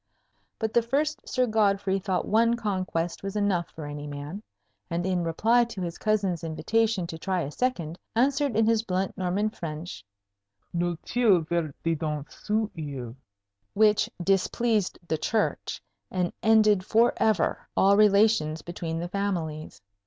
But the first Sir Godfrey thought one conquest was enough for any man; and in reply to his cousin's invitation to try a second, answered in his blunt Norman French, "Nul tiel verte dedans ceot oyle," which displeased the Church, and ended forever all relations between the families.